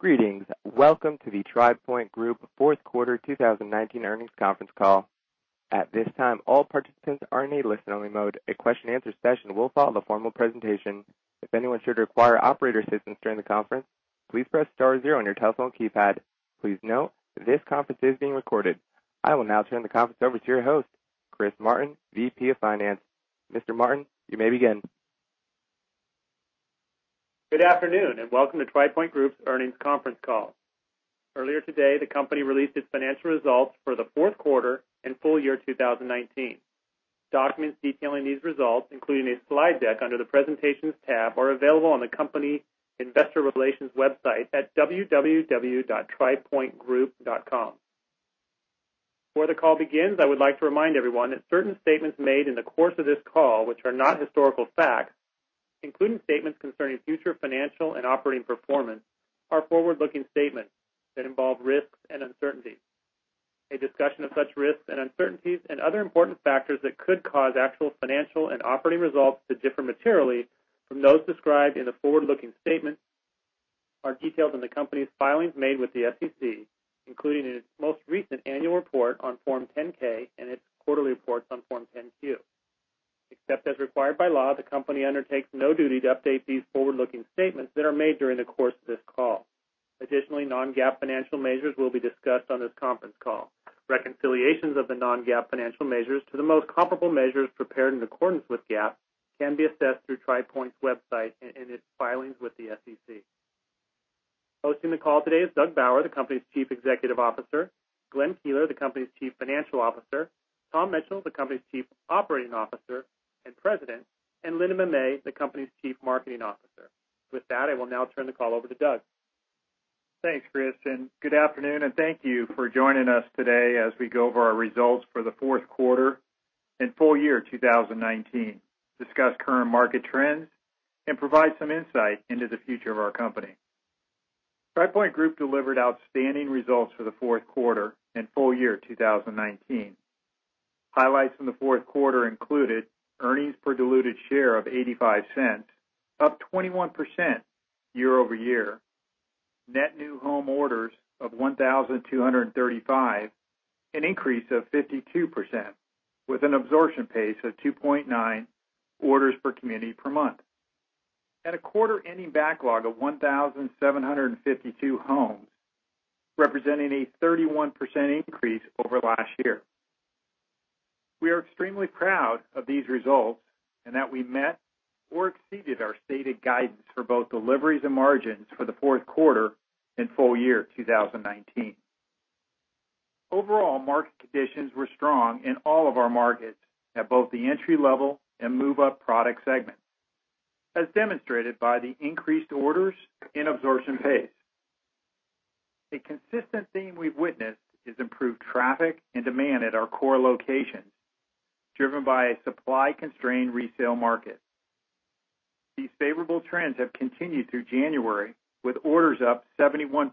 Greetings. Welcome to the Tri Pointe Homes Fourth Quarter 2019 Earnings Conference Call. At this time, all participants are in a listen-only mode. A question-answer-session will follow the formal presentation. If anyone should require operator assistance during the conference, please press star zero on your telephone keypad. Please note, this conference is being recorded. I will now turn the conference over to your host, Chris Martin, VP of Finance. Mr. Martin, you may begin. Good afternoon, and welcome to Tri Pointe Homes' earnings conference call. Earlier today, the company released its financial results for the fourth quarter and full year 2019. Documents detailing these results, including a slide deck under the Presentations tab are available on the company investor relations website at www.tripointehomes.com. Before the call begins, I would like to remind everyone that certain statements made in the course of this call, which are not historical facts, including statements concerning future financial and operating performance, are forward-looking statements that involve risks and uncertainties. A discussion of such risks and uncertainties and other important factors that could cause actual financial and operating results to differ materially from those described in the forward-looking statements are detailed in the company's filings made with the SEC, including in its most recent annual report on Form 10-K and its quarterly reports on Form 10-Q. Except as required by law, the company undertakes no duty to update these forward-looking statements that are made during the course of this call. Additionally, non-GAAP financial measures will be discussed on this conference call. Reconciliations of the non-GAAP financial measures to the most comparable measures prepared in accordance with GAAP can be assessed through Tri Pointe's website and in its filings with the SEC. Hosting the call today is Doug Bauer, the company's Chief Executive Officer, Glenn Keeler, the company's Chief Financial Officer, Tom Mitchell, the company's Chief Operating Officer and President, and Linda Mamet, the company's Chief Marketing Officer. With that, I will now turn the call over to Doug. Thanks, Chris, and good afternoon, and thank you for joining us today as we go over our results for the fourth quarter and full year 2019, discuss current market trends, and provide some insight into the future of our company. Tri Pointe Group delivered outstanding results for the fourth quarter and full year 2019. Highlights from the fourth quarter included earnings per diluted share of $0.85, up 21% year-over-year, net new home orders of 1,235, an increase of 52%, with an absorption pace of 2.9 orders per community per month, and a quarter-ending backlog of 1,752 homes, representing a 31% increase over last year. We are extremely proud of these results and that we met or exceeded our stated guidance for both deliveries and margins for the fourth quarter and full year 2019. Overall, market conditions were strong in all of our markets at both the entry-level and move-up product segments, as demonstrated by the increased orders and absorption pace. A consistent theme we've witnessed is improved traffic and demand at our core locations, driven by a supply-constrained resale market. These favorable trends have continued through January, with orders up 71%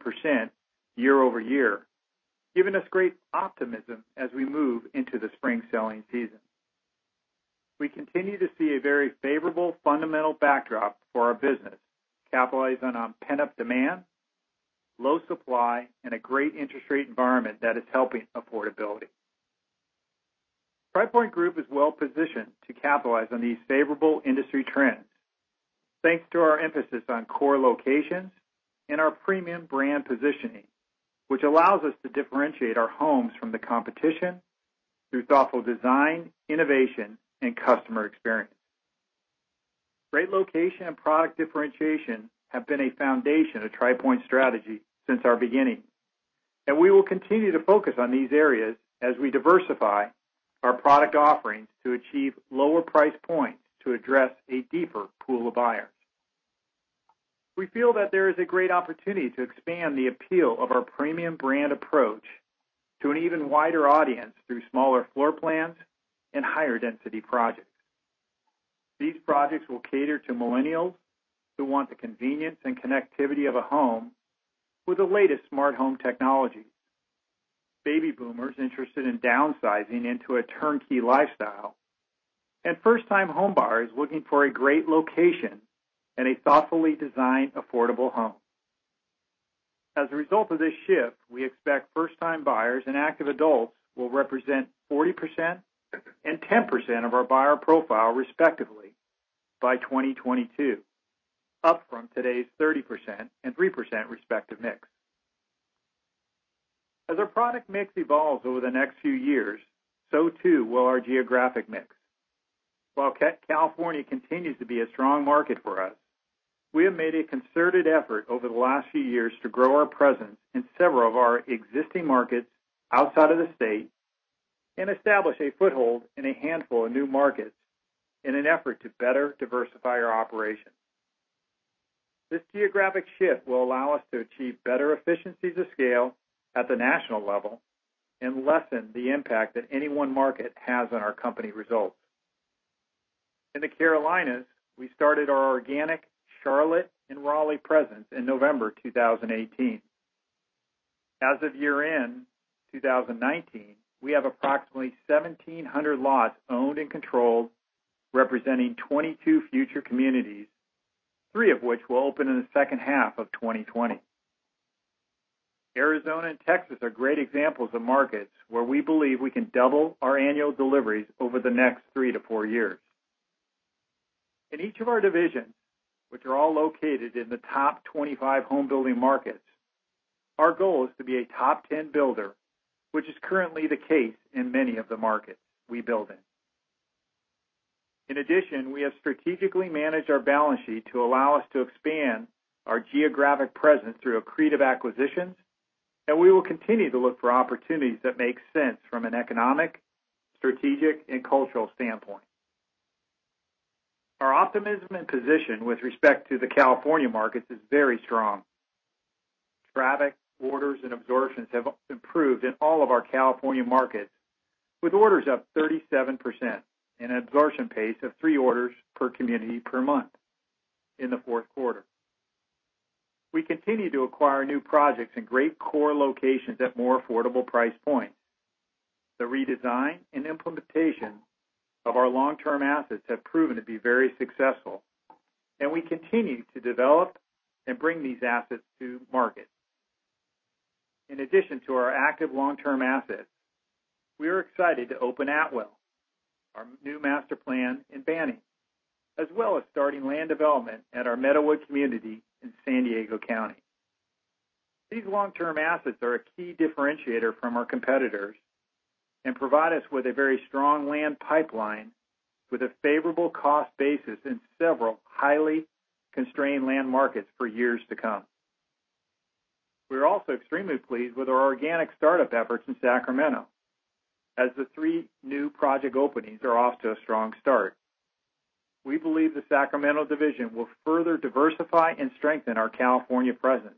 year-over-year, giving us great optimism as we move into the spring selling season. We continue to see a very favorable fundamental backdrop for our business, capitalizing on pent-up demand, low supply, and a great interest rate environment that is helping affordability. Tri Pointe Group is well-positioned to capitalize on these favorable industry trends, thanks to our emphasis on core locations and our premium brand positioning, which allows us to differentiate our homes from the competition through thoughtful design, innovation, and customer experience. Great location and product differentiation have been a foundation of Tri Pointe's strategy since our beginning. We will continue to focus on these areas as we diversify our product offerings to achieve lower price points to address a deeper pool of buyers. We feel that there is a great opportunity to expand the appeal of our premium brand approach to an even wider audience through smaller floor plans and higher density projects. These projects will cater to millennials who want the convenience and connectivity of a home with the latest smart home technology, baby boomers interested in downsizing into a turnkey lifestyle, and first-time home buyers looking for a great location and a thoughtfully designed, affordable home. As a result of this shift, we expect first-time buyers and active adults will represent 40% and 10% of our buyer profile, respectively, by 2022, up from today's 30% and 3% respective mix. As our product mix evolves over the next few years, so too will our geographic mix. While California continues to be a strong market for us, we have made a concerted effort over the last few years to grow our presence in several of our existing markets outside of the state and establish a foothold in a handful of new markets in an effort to better diversify our operations. This geographic shift will allow us to achieve better efficiencies of scale at the national level and lessen the impact that any one market has on our company results. In the Carolinas, we started our organic Charlotte and Raleigh presence in November 2018. As of year-end 2019, we have approximately 1,700 lots owned and controlled, representing 22 future communities, three of which will open in the second half of 2020. Arizona and Texas are great examples of markets where we believe we can double our annual deliveries over the next three to four years. In each of our divisions, which are all located in the top 25 home building markets, our goal is to be a top 10 builder, which is currently the case in many of the markets we build in. In addition, we have strategically managed our balance sheet to allow us to expand our geographic presence through accretive acquisitions, and we will continue to look for opportunities that make sense from an economic, strategic, and cultural standpoint. Our optimism and position with respect to the California markets is very strong. Traffic, orders, and absorptions have improved in all of our California markets, with orders up 37% and absorption pace of three orders per community per month in the fourth quarter. We continue to acquire new projects in great core locations at more affordable price points. The redesign and implementation of our long-term assets have proven to be very successful, and we continue to develop and bring these assets to market. In addition to our active long-term assets, we are excited to open Atwell, our new master plan in Banning, as well as starting land development at our Meadowood community in San Diego County. These long-term assets are a key differentiator from our competitors and provide us with a very strong land pipeline with a favorable cost basis in several highly constrained land markets for years to come. We are also extremely pleased with our organic startup efforts in Sacramento, as the three new project openings are off to a strong start. We believe the Sacramento division will further diversify and strengthen our California presence.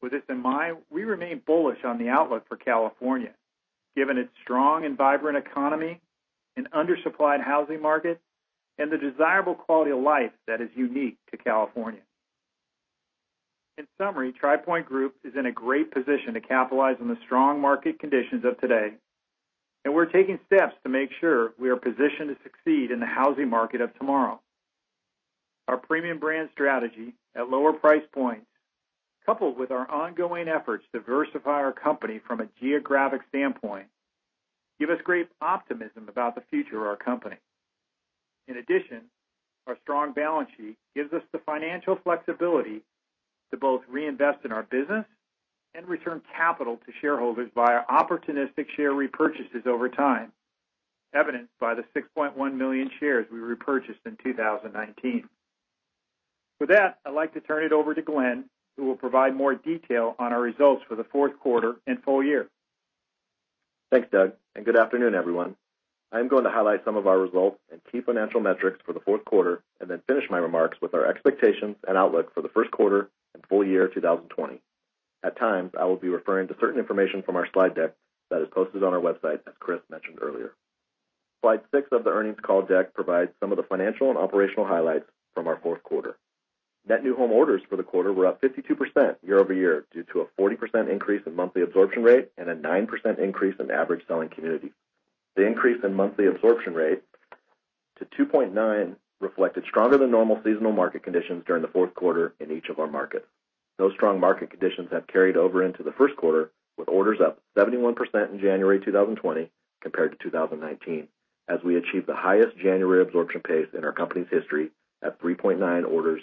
With this in mind, we remain bullish on the outlook for California, given its strong and vibrant economy and undersupplied housing market, and the desirable quality of life that is unique to California. In summary, Tri Pointe Group is in a great position to capitalize on the strong market conditions of today, and we're taking steps to make sure we are positioned to succeed in the housing market of tomorrow. Our premium brand strategy at lower price points, coupled with our ongoing efforts to diversify our company from a geographic standpoint, give us great optimism about the future of our company. In addition, our strong balance sheet gives us the financial flexibility to both reinvest in our business and return capital to shareholders via opportunistic share repurchases over time, evidenced by the 6.1 million shares we repurchased in 2019. With that, I'd like to turn it over to Glenn, who will provide more detail on our results for the fourth quarter and full year. Thanks, Doug, and good afternoon, everyone. I am going to highlight some of our results and key financial metrics for the fourth quarter, and then finish my remarks with our expectations and outlook for the first quarter and full year 2020. At times, I will be referring to certain information from our slide deck that is posted on our website, as Chris mentioned earlier. Slide six of the earnings call deck provides some of the financial and operational highlights from our fourth quarter. Net new home orders for the quarter were up 52% year-over-year due to a 40% increase in monthly absorption rate and a 9% increase in average selling communities. The increase in monthly absorption rate to 2.9 reflected stronger than normal seasonal market conditions during the fourth quarter in each of our markets. Those strong market conditions have carried over into the first quarter, with orders up 71% in January 2020 compared to 2019, as we achieved the highest January absorption pace in our company's history at 3.9 orders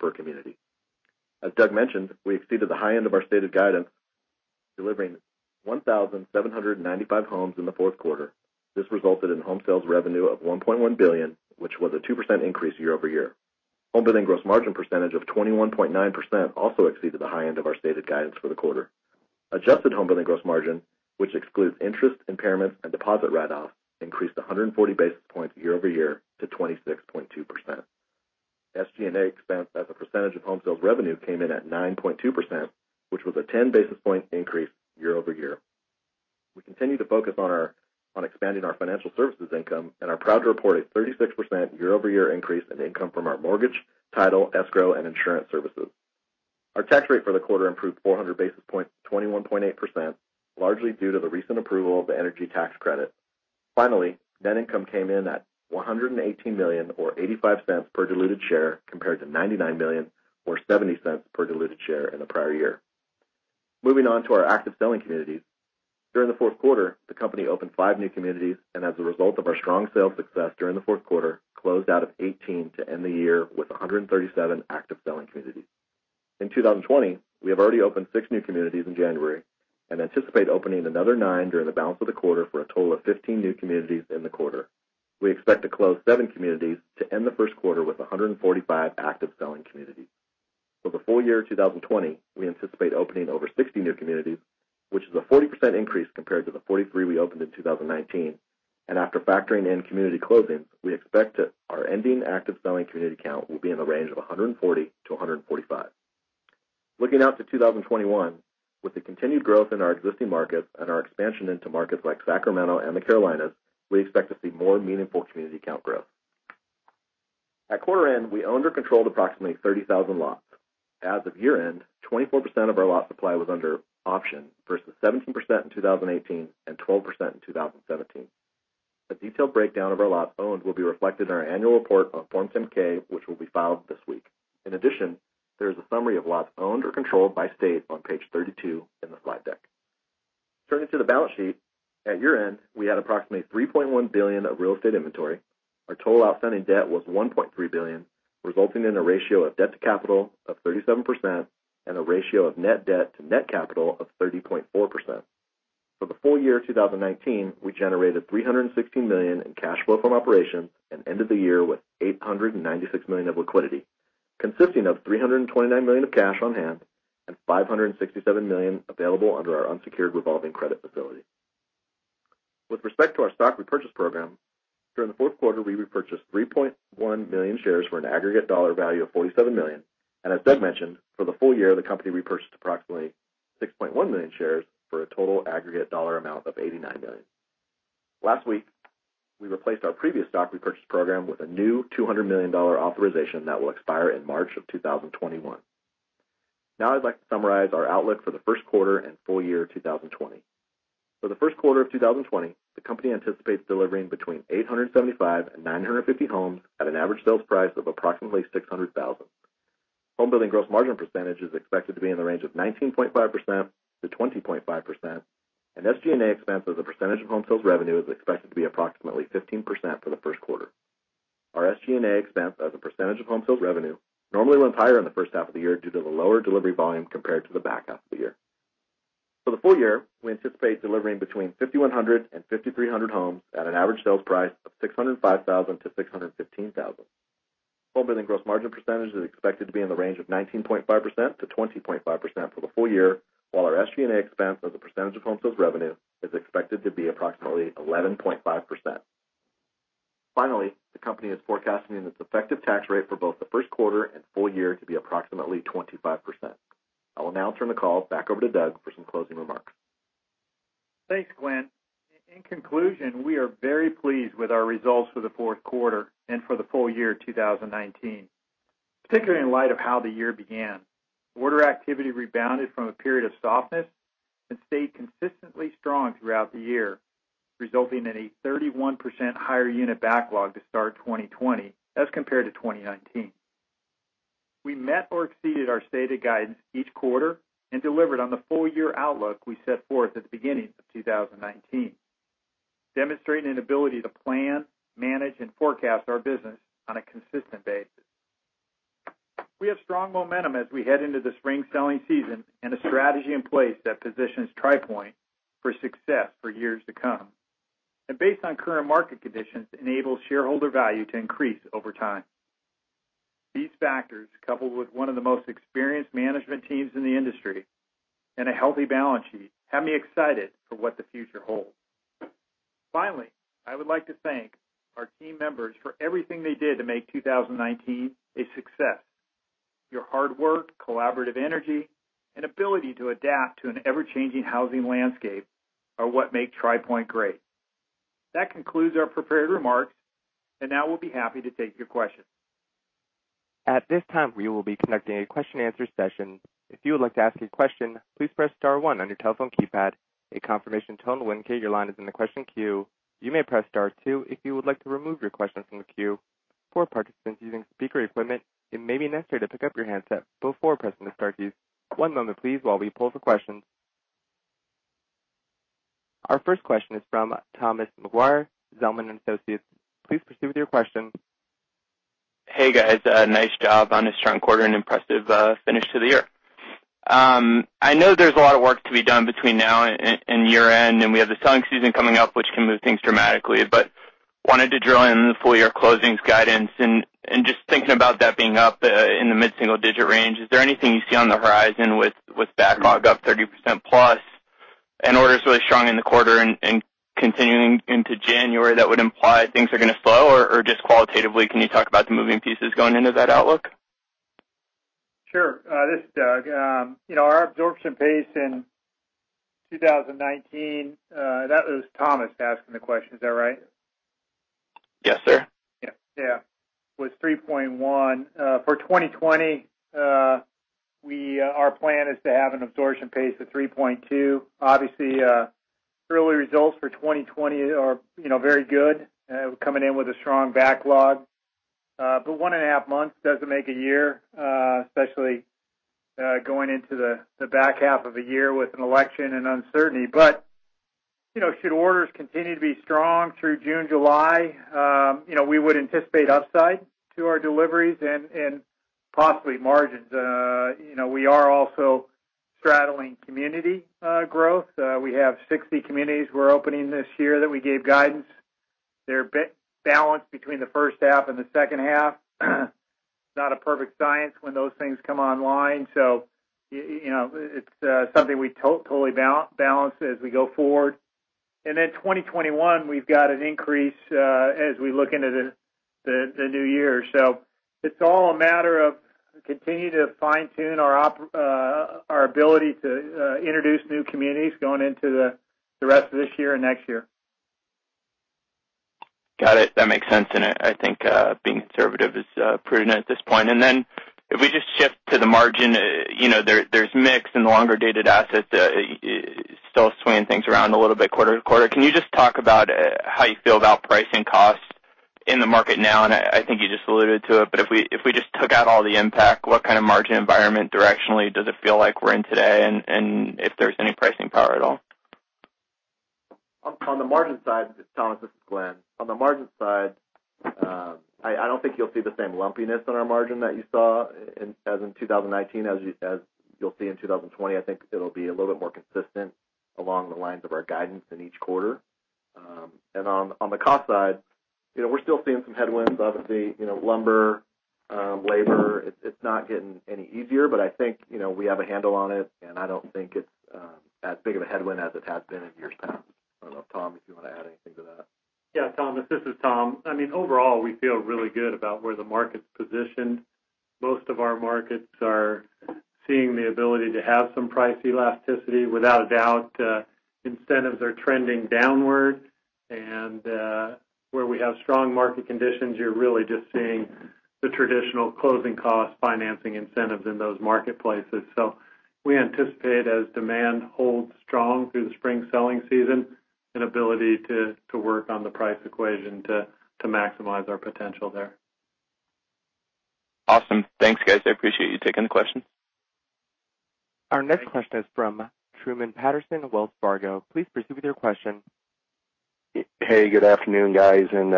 per community. As Doug mentioned, we exceeded the high end of our stated guidance, delivering 1,795 homes in the fourth quarter. This resulted in home sales revenue of $1.1 billion, which was a 2% increase year-over-year. Home building gross margin percentage of 21.9% also exceeded the high end of our stated guidance for the quarter. Adjusted home building gross margin, which excludes interest, impairments, and deposit write-offs, increased 140 basis points year-over-year to 26.2%. SG&A expense as a percentage of home sales revenue came in at 9.2%, which was a 10 basis point increase year-over-year. We continue to focus on expanding our financial services income and are proud to report a 36% year-over-year increase in income from our mortgage, title, escrow, and insurance services. Our tax rate for the quarter improved 400 basis points to 21.8%, largely due to the recent approval of the energy tax credit. Finally, net income came in at $118 million, or $0.85 per diluted share, compared to $99 million, or $0.70 per diluted share in the prior year. Moving on to our active selling communities. During the fourth quarter, the company opened five new communities and, as a result of our strong sales success during the fourth quarter, closed out of 18 to end the year with 137 active selling communities. In 2020, we have already opened six new communities in January and anticipate opening another nine during the balance of the quarter for a total of 15 new communities in the quarter. We expect to close seven communities to end the first quarter with 145 active selling communities. For the full year 2020, we anticipate opening over 60 new communities, which is a 40% increase compared to the 43 we opened in 2019. After factoring in community closings, we expect that our ending active selling community count will be in the range of 140-145. Looking out to 2021, with the continued growth in our existing markets and our expansion into markets like Sacramento and the Carolinas, we expect to see more meaningful community count growth. At quarter end, we owned or controlled approximately 30,000 lots. As of year-end, 24% of our lot supply was under option versus 17% in 2018 and 12% in 2017. A detailed breakdown of our lots owned will be reflected in our annual report on Form 10-K, which will be filed this week. In addition, there is a summary of lots owned or controlled by state on Page 32 in the slide deck. Turning to the balance sheet, at year-end, we had approximately $3.1 billion of real estate inventory. Our total outstanding debt was $1.3 billion, resulting in a ratio of debt to capital of 37%, and a ratio of net debt to net capital of 30.4%. For the full year 2019, we generated $316 million in cash flow from operations and ended the year with $896 million of liquidity, consisting of $329 million of cash on hand and $567 million available under our unsecured revolving credit facility. With respect to our stock repurchase program, during the fourth quarter, we repurchased 3.1 million shares for an aggregate dollar value of $47 million, and as Doug mentioned, for the full year, the company repurchased approximately 6.1 million shares for a total aggregate dollar amount of $89 million. Last week, we replaced our previous stock repurchase program with a new $200 million authorization that will expire in March of 2021. I'd like to summarize our outlook for the first quarter and full year 2020. For the first quarter of 2020, the company anticipates delivering between 875 and 950 homes at an average sales price of approximately $600,000. Home building gross margin percentage is expected to be in the range of 19.5%-20.5%, and SG&A expense as a percentage of home sales revenue is expected to be approximately 15% for the first quarter. Our SG&A expense as a percentage of home sales revenue normally runs higher in the first half of the year due to the lower delivery volume compared to the back half of the year. For the full year, we anticipate delivering between 5,100 and 5,300 homes at an average sales price of $605,000-$615,000. Home building gross margin percentage is expected to be in the range of 19.5%-20.5% for the full year, while our SG&A expense as a percentage of home sales revenue is expected to be approximately 11.5%. Finally, the company is forecasting its effective tax rate for both the first quarter and full year to be approximately 25%. I will now turn the call back over to Doug for some closing remarks. Thanks, Glenn. In conclusion, we are very pleased with our results for the fourth quarter and for the full year 2019, particularly in light of how the year began. Order activity rebounded from a period of softness and stayed consistently strong throughout the year, resulting in a 31% higher unit backlog to start 2020 as compared to 2019. We met or exceeded our stated guidance each quarter and delivered on the full-year outlook we set forth at the beginning of 2019, demonstrating an ability to plan, manage, and forecast our business on a consistent basis. We have strong momentum as we head into the spring selling season and a strategy in place that positions Tri Pointe for success for years to come, based on current market conditions, enables shareholder value to increase over time. These factors, coupled with one of the most experienced management teams in the industry and a healthy balance sheet, have me excited for what the future holds. Finally, I would like to thank our team members for everything they did to make 2019 a success. Your hard work, collaborative energy, and ability to adapt to an ever-changing housing landscape are what make Tri Pointe great. That concludes our prepared remarks, and now we'll be happy to take your questions. At this time, we will be conducting a question-answer-session. If you would like to ask a question, please press star one on your telephone keypad. A confirmation tone will indicate your line is in the question queue. You may press star two if you would like to remove your question from the queue. For participants using speaker equipment, it may be necessary to pick up your handset before pressing the star keys. One moment please while we pull for questions. Our first question is from Thomas Maguire, Zelman & Associates. Please proceed with your question. Hey, guys. Nice job on a strong quarter and impressive finish to the year. I know there's a lot of work to be done between now and year-end, and we have the selling season coming up, which can move things dramatically, but wanted to drill in the full-year closings guidance and just thinking about that being up in the mid-single-digit range. Is there anything you see on the horizon with backlog up 30% plus and orders really strong in the quarter and continuing into January that would imply things are going to slow? Just qualitatively, can you talk about the moving pieces going into that outlook? Sure. This is Doug. Our absorption pace in 2019, that was Thomas asking the question. Is that right? Yes, sir. Yeah. Was 3.1. For 2020, our plan is to have an absorption pace of 3.2. Obviously, early results for 2020 are very good, coming in with a strong backlog. One and a half months doesn't make a year, especially going into the back half of a year with an election and uncertainty. Should orders continue to be strong through June, July, we would anticipate upside to our deliveries and possibly margins. We are also straddling community growth. We have 60 communities we're opening this year that we gave guidance. They're balanced between the first half and the second half. It's not a perfect science when those things come online, so it's something we totally balance as we go forward. 2021, we've got an increase as we look into the new year. It's all a matter of continuing to fine-tune our ability to introduce new communities going into the rest of this year and next year. Got it. That makes sense. I think being conservative is prudent at this point. Then if we just shift to the margin, there's mix and longer-dated assets still swinging things around a little bit quarter to quarter. Can you just talk about how you feel about pricing costs in the market now? I think you just alluded to it, but if we just took out all the impact, what kind of margin environment directionally does it feel like we're in today, and if there's any pricing power at all? Thomas, this is Glenn. On the margin side, I don't think you'll see the same lumpiness in our margin that you saw as in 2019. As you'll see in 2020, I think it'll be a little bit more consistent along the lines of our guidance in each quarter. On the cost side, we're still seeing some headwinds. Obviously, lumber, labor, it's not getting any easier, but I think we have a handle on it, and I don't think it's as big of a headwind as it has been in years past. I don't know, Tom, if you want to add anything to that? Yeah. Thomas, this is Tom. Overall, we feel really good about where the market's positioned. Most of our markets are seeing the ability to have some price elasticity. Without a doubt, incentives are trending downward, and where we have strong market conditions, you're really just seeing the traditional closing cost financing incentives in those marketplaces. We anticipate, as demand holds strong through the spring selling season, an ability to work on the price equation to maximize our potential there. Awesome. Thanks, guys. I appreciate you taking the question. Our next question is from Truman Patterson of Wells Fargo. Please proceed with your question. Hey, good afternoon, guys, and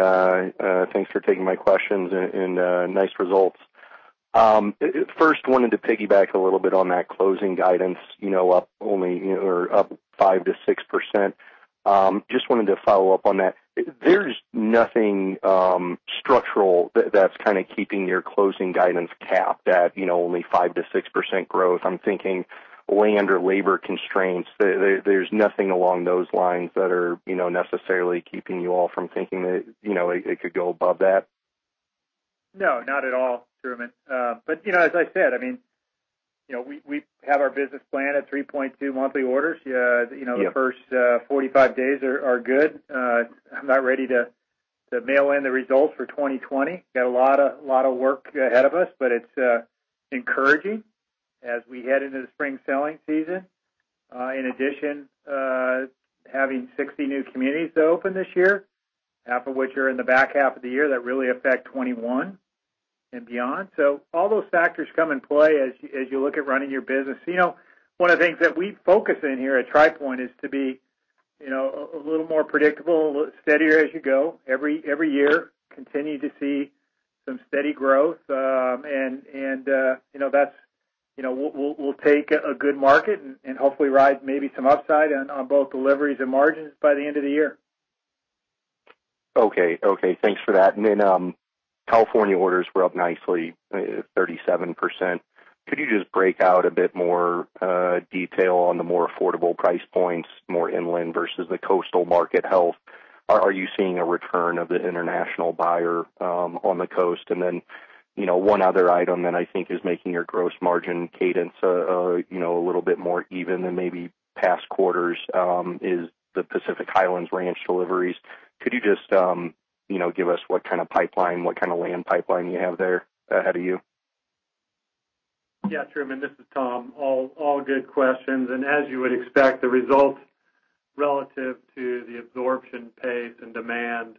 thanks for taking my questions and nice results. First wanted to piggyback a little bit on that closing guidance, up 5%-6%. Just wanted to follow up on that. There's nothing structural that's kind of keeping your closing guidance capped at only 5%-6% growth. I'm thinking land or labor constraints. There's nothing along those lines that are necessarily keeping you all from thinking that it could go above that? No, not at all, Truman. As I said, we have our business plan at 3.2-monthly orders. Yeah. The first 45-days are good. I'm not ready to mail in the results for 2020. Got a lot of work ahead of us, it's encouraging as we head into the spring selling season. In addition, having 60 new communities to open this year, half of which are in the back half of the year, that really affect 2021 and beyond. All those factors come in play as you look at running your business. One of the things that we focus in here at Tri Pointe is to be a little more predictable, steadier as you go. Every year, continue to see some steady growth. We'll take a good market and hopefully ride maybe some upside on both deliveries and margins by the end of the year. Okay. Thanks for that. California orders were up nicely at 37%. Could you just break out a bit more detail on the more affordable price points, more inland versus the coastal market health? Are you seeing a return of the international buyer on the coast? One other item that I think is making your gross margin cadence a little bit more even than maybe past quarters, is the Pacific Highlands Ranch deliveries. Could you just give us what kind of land pipeline you have there ahead of you? Yeah, Truman, this is Tom. All good questions. As you would expect, the results relative to the absorption pace and demand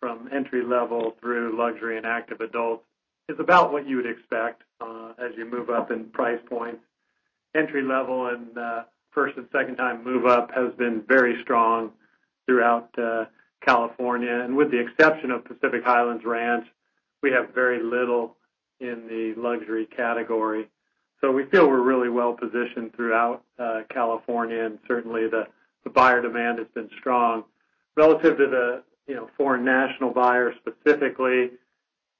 from entry level through luxury and active adult is about what you would expect as you move up in price points. Entry-level and first and second time move up has been very strong throughout California. With the exception of Pacific Highlands Ranch, we have very little in the luxury category. We feel we're really well positioned throughout California, and certainly the buyer demand has been strong. Relative to the foreign national buyer specifically,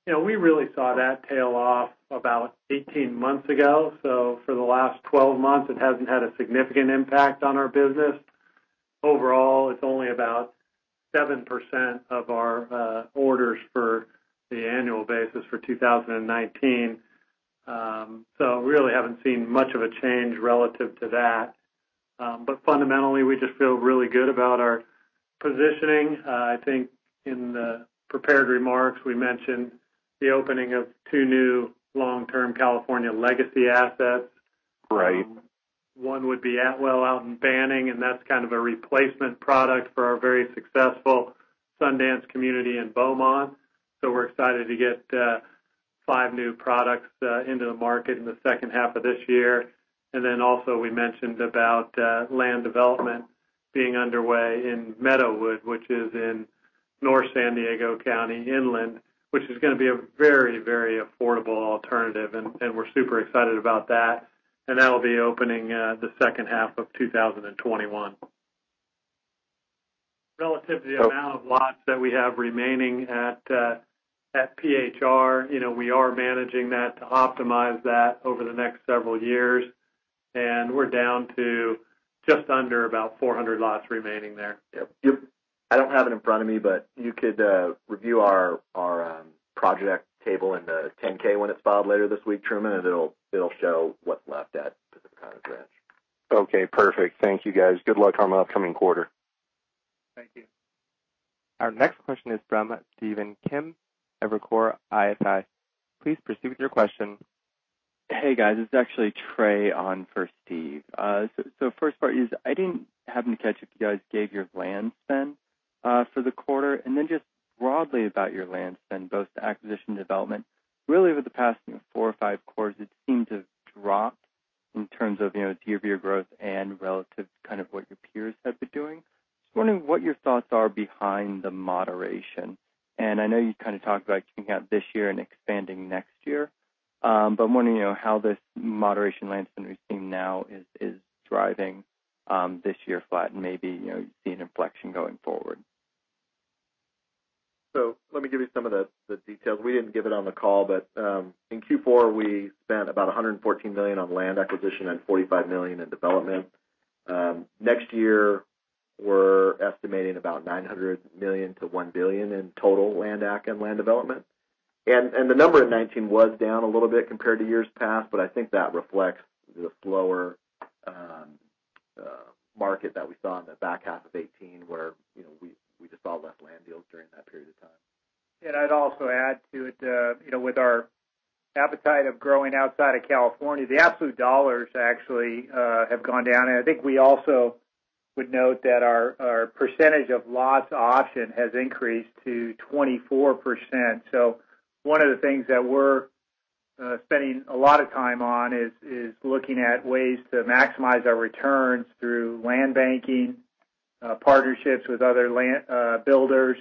we really saw that tail off about 18-months ago. For the last 12-months, it hasn't had a significant impact on our business. Overall, it's only about 7% of our orders for the annual basis for 2019. Really haven't seen much of a change relative to that. Fundamentally, we just feel really good about our positioning. I think in the prepared remarks, we mentioned the opening of two new long-term California legacy assets. Right. One would be Atwell out in Banning. That's kind of a replacement product for our very successful Sundance community in Beaumont. We're excited to get five new products into the market in the second half of this year. Also we mentioned about land development being underway in Meadowood, which is in North San Diego County, inland, which is going to be a very affordable alternative, and we're super excited about that. That'll be opening the second half of 2021. Relative to the amount of lots that we have remaining at PHR, we are managing that to optimize that over the next several years. We're down to just under about 400 lots remaining there. Yep. I don't have it in front of me, but you could review our project table in the 10-K when it's filed later this week, Truman, and it'll show what's left at Pacific Highlands Ranch. Okay, perfect. Thank you, guys. Good luck on the upcoming quarter. Thank you. Our next question is from Stephen Kim, Evercore ISI. Please proceed with your question. Hey, guys. This is actually Trey on for Steve. First part is, I didn't happen to catch if you guys gave your land spend for the quarter. Just broadly about your land spend, both acquisition development. Really over the past four or five quarters, it seemed to have dropped in terms of year-over-year growth and relative to kind of what your peers have been doing. Just wondering what your thoughts are behind the moderation. I know you kind of talked about kicking out this year and expanding next year. I'm wondering, how this moderation land spend we're seeing now is driving this year flat and maybe, you see an inflection going forward. Let me give you some of the details. We didn't give it on the call, but in Q4, we spent about $114 million on land acquisition and $45 million in development. Next year, we're estimating about $900 million-$1 billion in total land acquisition and land development. The number in 2019 was down a little bit compared to years past, but I think that reflects the slower market that we saw in the back half of 2018, where we just saw less land deals during that period of time. I'd also add to it, with our appetite of growing outside of California, the absolute dollars actually have gone down. I think we also would note that our percentage of lots optioned has increased to 24%. One of the things that we're spending a lot of time on is looking at ways to maximize our returns through land banking, partnerships with other builders,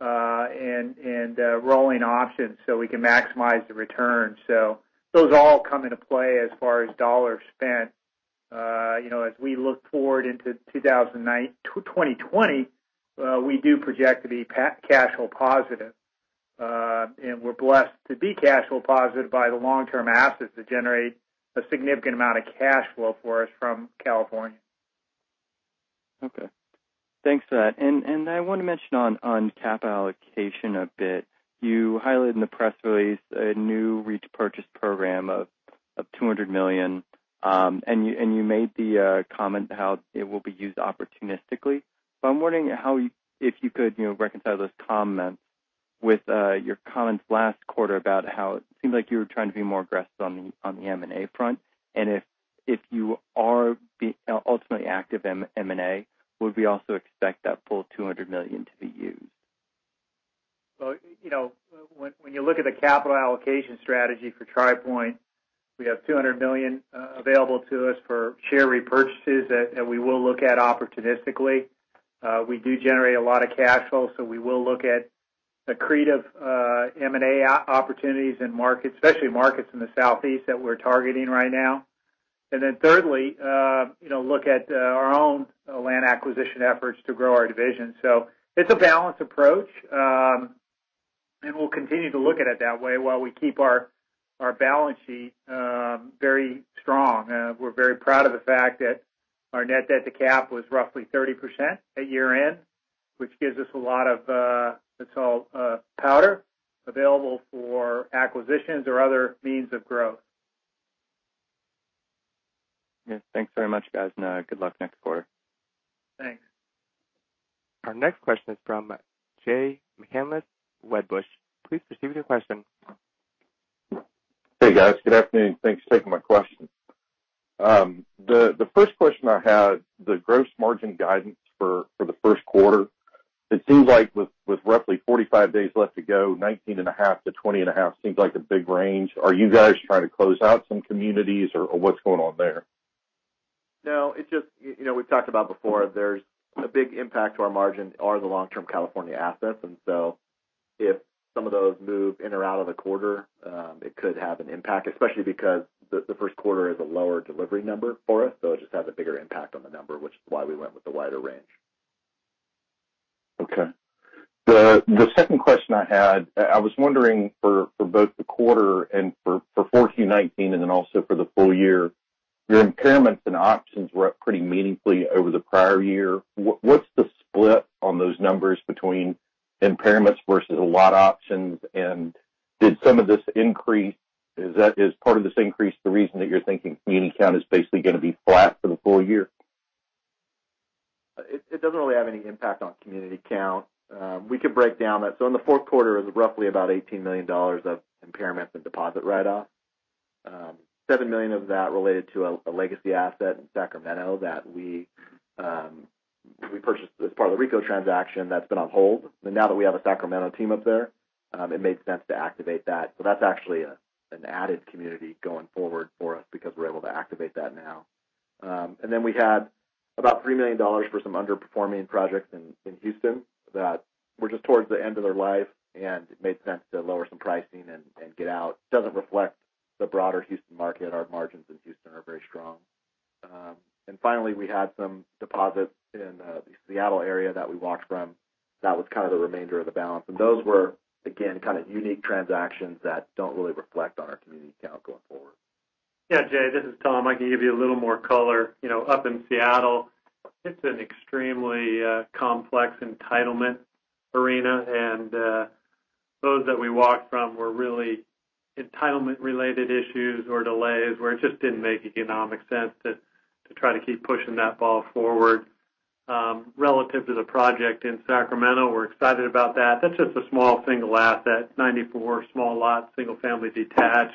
and rolling options so we can maximize the return. Those all come into play as far as dollars spent. As we look forward into 2020, we do project to be cash flow positive. We're blessed to be cash flow positive by the long-term assets that generate a significant amount of cash flow for us from California. Okay. Thanks for that. I want to mention on capital allocation a bit, you highlighted in the press release a new repurchase program of $200 million, and you made the comment how it will be used opportunistically. I'm wondering if you could reconcile those comments with your comments last quarter about how it seemed like you were trying to be more aggressive on the M&A front, and if you are ultimately active in M&A, would we also expect that full $200 million to be used? Well, when you look at the capital allocation strategy for Tri Pointe, we have $200 million available to us for share repurchases that we will look at opportunistically. We do generate a lot of cash flow, we will look at accretive M&A opportunities in markets, especially markets in the Southeast that we're targeting right now. Thirdly, look at our own land acquisition efforts to grow our division. It's a balanced approach, and we'll continue to look at it that way while we keep our balance sheet very strong. We're very proud of the fact that our net debt to cap was roughly 30% at year-end, which gives us a lot of, let's call it, powder available for acquisitions or other means of growth. Yeah. Thanks very much, guys. Good luck next quarter. Thanks. Our next question is from Jay McCanless, Wedbush. Please proceed with your question. Hey, guys. Good afternoon. Thanks for taking my question. The first question I had, the gross margin guidance for the first quarter, it seems like with roughly 45-days left to go, 19.5%-20.5% seems like a big range. Are you guys trying to close out some communities or what's going on there? No, it's just, we've talked about before, there's a big impact to our margin are the long-term California assets. If some of those move in or out of the quarter, it could have an impact, especially because the first quarter is a lower delivery number for us, so it just has a bigger impact on the number, which is why we went with the wider range. Okay. The second question I had, I was wondering for both the quarter and for full 4+Q 2019 and then also for the full year, your impairments and options were up pretty meaningfully over the prior year. What's the split on those numbers between impairments versus lot options? Is part of this increase the reason that you're thinking community count is basically going to be flat for the full year? It doesn't really have any impact on community count. We can break down that. In the fourth quarter, it was roughly about $18 million of impairment and deposit write-off. $7 million of that related to a legacy asset in Sacramento that we purchased as part of the WRECO transaction that's been on hold. Now that we have a Sacramento team up there, it made sense to activate that. That's actually an added community going forward for us because we're able to activate that now. We had about $3 million for some underperforming projects in Houston that were just towards the end of their life, and it made sense to lower some pricing and get out. It doesn't reflect the broader Houston market. Our margins in Houston are very strong. Finally, we had some deposits in the Seattle area that we walked from. That was kind of the remainder of the balance. Those were, again, kind of unique transactions that don't really reflect on our community count going forward. Yeah, Jay, this is Tom. I can give you a little more color. Up in Seattle, it's an extremely complex entitlement arena, and those that we walked from were really entitlement-related issues or delays where it just didn't make economic sense to try to keep pushing that ball forward. Relative to the project in Sacramento, we're excited about that. That's just a small single asset, 94 small lots, single-family detached.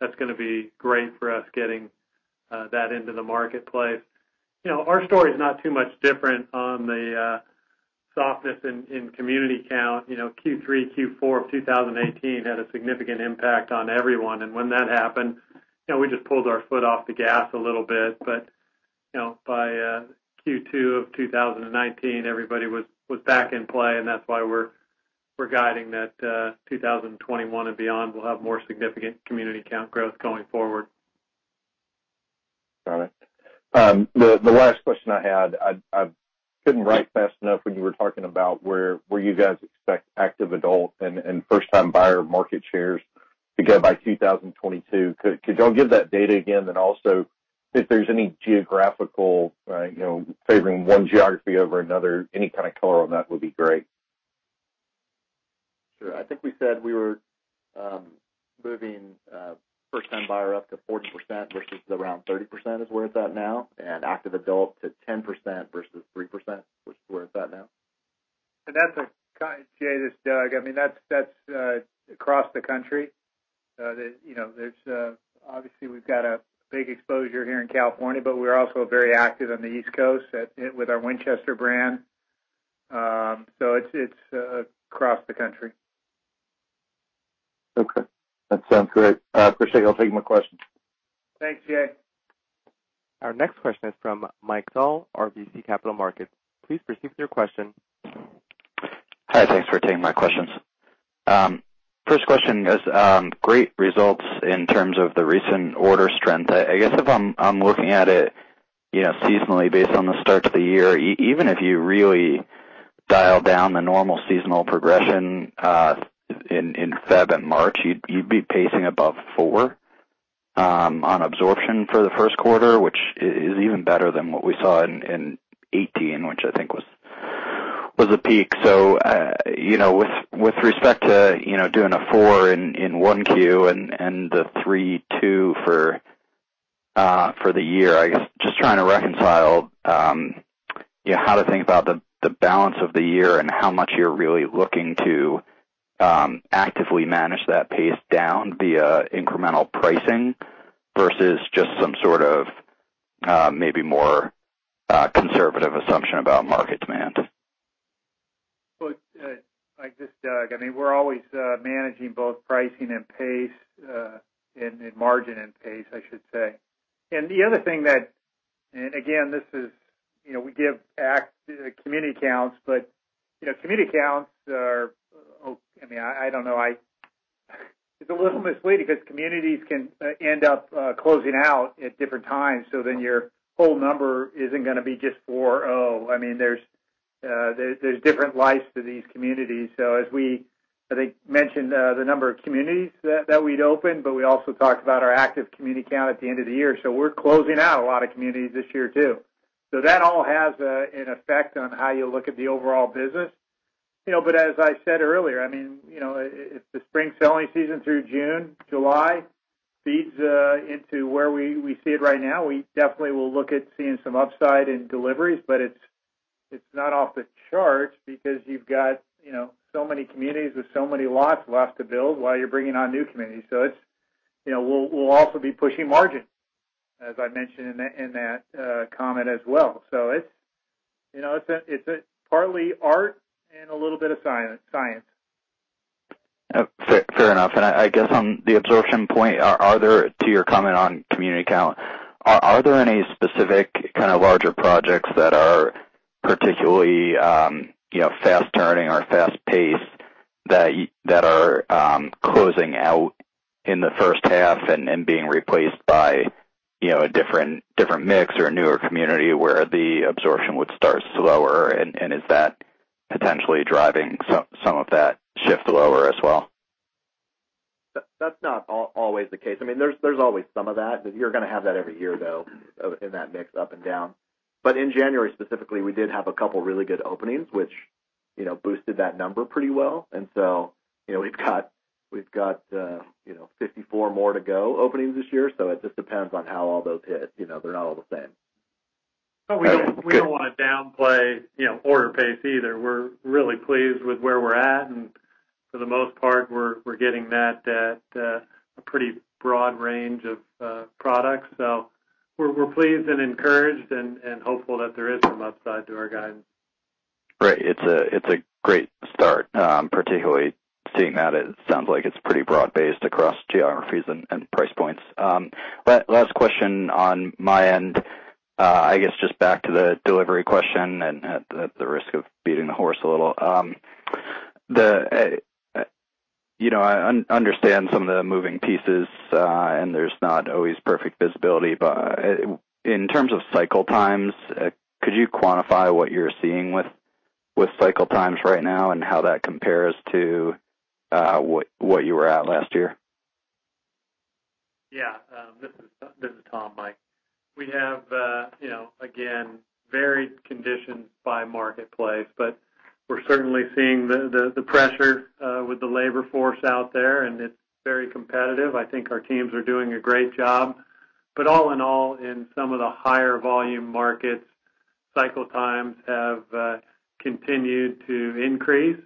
That's going to be great for us getting that into the marketplace. Our story's not too much different on the softness in community count. Q3, Q4 of 2018 had a significant impact on everyone, and when that happened, we just pulled our foot off the gas a little bit. By Q2 of 2019, everybody was back in play, and that's why we're guiding that 2021 and beyond will have more significant community count growth going forward. Got it. The last question I had, I couldn't write fast enough when you were talking about where you guys expect active adult and first-time buyer market shares to go by 2022. Could y'all give that data again, and also if there's any geographical favoring one geography over another, any kind of color on that would be great. Sure. I think we said we were moving first-time buyer up to 40% versus around 30% is where it's at now, and active adult to 10% versus 3%, which is where it's at now. That's Jay, this is Doug. That's across the country. Obviously, we've got a big exposure here in California, but we're also very active on the East Coast with our Winchester brand. It's across the country. Okay. That sounds great. Appreciate y'all taking my questions. Thanks, Jay. Our next question is from Michael Dahl, RBC Capital Markets. Please proceed with your question. Hi, thanks for taking my questions. First question is, great results in terms of the recent order strength. I guess if I'm looking at it seasonally based on the start to the year, even if you really dial down the normal seasonal progression, in Feb and March, you'd be pacing above four on absorption for the first quarter, which is even better than what we saw in 2018, which I think was the peak. With respect to doing a four in 1Q and the 3.2 for the year, I guess just trying to reconcile how to think about the balance of the year and how much you're really looking to actively manage that pace down via incremental pricing versus just some sort of maybe more conservative assumption about market demand. Mike, this is Doug. We're always managing both pricing and pace, and margin and pace, I should say. The other thing that, and again, we give community counts, but community counts are, I don't know. It's a little misleading because communities can end up closing out at different times, your whole number isn't going to be just 4.0. There's different lives to these communities. As we, I think, mentioned the number of communities that we'd opened, but we also talked about our active community count at the end of the year. We're closing out a lot of communities this year, too. That all has an effect on how you look at the overall business. As I said earlier, if the spring selling season through June, July feeds into where we see it right now, we definitely will look at seeing some upside in deliveries, but it's not off the charts because you've got so many communities with so many lots left to build while you're bringing on new communities. We'll also be pushing margin, as I mentioned in that comment as well. It's partly art and a little bit of science. Fair enough. I guess on the absorption point, to your comment on community count, are there any specific kind of larger projects that are particularly fast turning or fast-paced that are closing out in the first half and being replaced by a different mix or a newer community where the absorption would start slower? Is that potentially driving some of that shift lower as well? That's not always the case. There's always some of that, but you're going to have that every year, though, in that mix up and down. In January, specifically, we did have two really good openings, which boosted that number pretty well. We've got 54 more to go opening this year. It just depends on how all those hit. They're not all the same. We don't want to downplay order pace either. We're really pleased with where we're at, and for the most part, we're getting that at a pretty broad range of products. We're pleased and encouraged and hopeful that there is some upside to our guidance. Great. It's a great start. Particularly seeing that it sounds like it's pretty broad-based across geographies and price points. Last question on my end. I guess just back to the delivery question and at the risk of beating the horse a little. I understand some of the moving pieces, and there's not always perfect visibility, but in terms of cycle times, could you quantify what you're seeing with cycle times right now and how that compares to what you were at last year? Yeah. This is Tom, Mike. We have, again, varied conditions by marketplace, but we're certainly seeing the pressure with the labor force out there, and it's very competitive. I think our teams are doing a great job. All in all, in some of the higher volume markets, cycle times have continued to increase,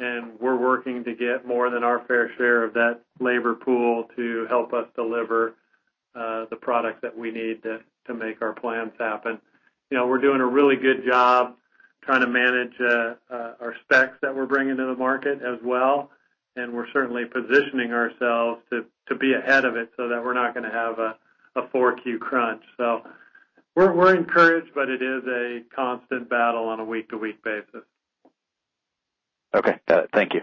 and we're working to get more than our fair share of that labor pool to help us deliver the product that we need to make our plans happen. We're doing a really good job trying to manage our specs that we're bringing to the market as well, and we're certainly positioning ourselves to be ahead of it so that we're not going to have a 4Q crunch. We're encouraged, but it is a constant battle on a week-to-week basis. Okay. Got it. Thank you.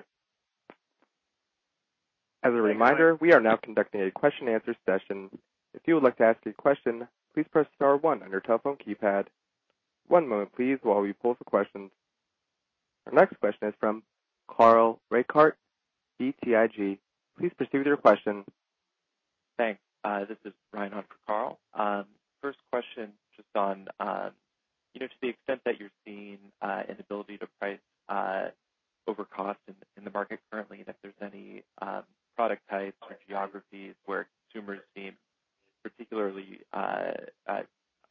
As a reminder, we are now conducting a question-answer-session. If you would like to ask a question, please press star one on your telephone keypad. One moment please while we pull for questions. Our next question is from Carl Reichardt, BTIG. Please proceed with your question. Thanks. This is Ryan Gilbert for Carl. First question, just on to the extent that you're seeing an ability to price over cost in the market currently, and if there's any product types or geographies where consumers seem particularly, I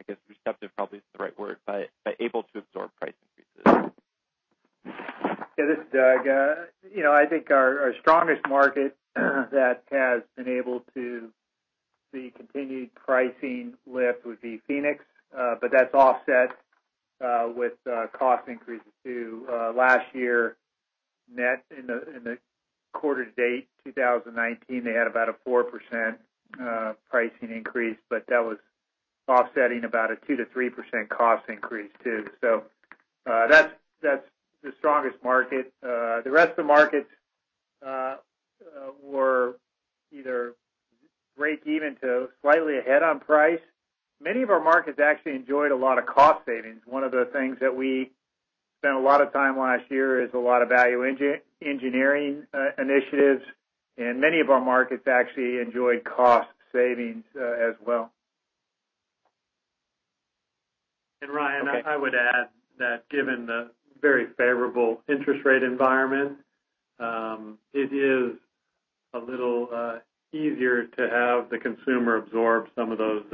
guess receptive probably isn't the right word, but able to absorb price increases. Yeah, this is Doug. I think our strongest market that has been able to see continued pricing lift would be Phoenix, but that's offset with cost increases, too. Last year, net in the quarter to date 2019, they had about a 4% pricing increase, but that was offsetting about a 2%-3% cost increase, too. That's the strongest market. The rest of the markets were either break even to slightly ahead on price. Many of our markets actually enjoyed a lot of cost savings. One of the things that we spent a lot of time last year is a lot of value engineering initiatives, and many of our markets actually enjoyed cost savings as well. Ryan, I would add that given the very favorable interest rate environment, it is a little easier to have the consumer absorb some of those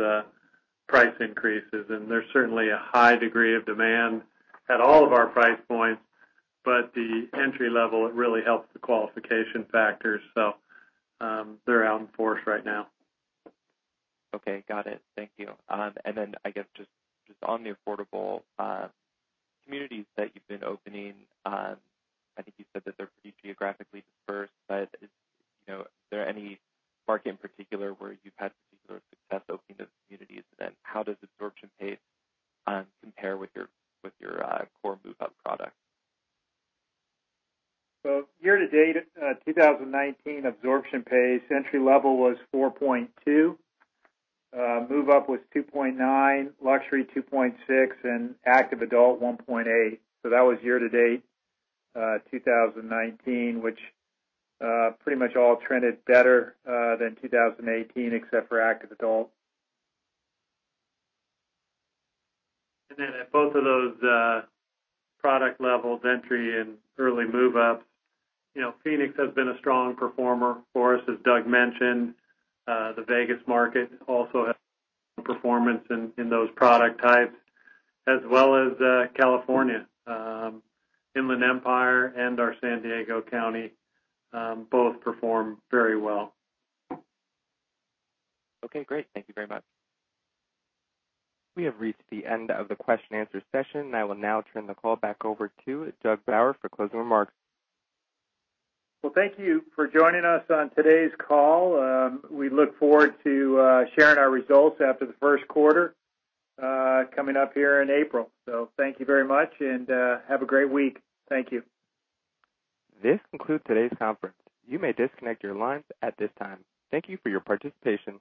price increases, and there's certainly a high degree of demand at all of our price points, but the entry level, it really helps the qualification factors. They're out in force right now. Okay. Got it. Thank you. I guess just on the affordable communities that you've been opening, I think you said that they're pretty geographically dispersed, but is there any market in particular where you've had particular success opening those communities? How does absorption pace compare with your core move-up product? Year to date 2019 absorption pace, entry level was 4.2, move-up was 2.9, luxury 2.6, and active adult 1.8. That was year to date 2019, which pretty much all trended better than 2018 except for active adult. Then at both of those product levels, entry and early move-up, Phoenix has been a strong performer for us, as Doug mentioned. The Vegas market also had performance in those product types as well as California. Inland Empire and our San Diego County both performed very well. Okay, great. Thank you very much. We have reached the end of the question-answer-session. I will now turn the call back over to Doug Bauer for closing remarks. Well, thank you for joining us on today's call. We look forward to sharing our results after the first quarter coming up here in April. Thank you very much, and have a great week. Thank you. This concludes today's conference. You may disconnect your lines at this time. Thank you for your participation.